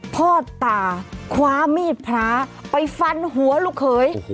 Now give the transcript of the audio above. พ่อตาคว้ามีดพระไปฟันหัวลูกเขย